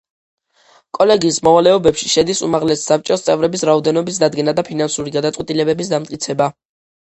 კოლეგიის მოვალეობებში შედის, უმაღლესი საბჭოს წევრების რაოდენობის დადგენა და ფინანსური გადაწყვეტილებების დამტკიცება.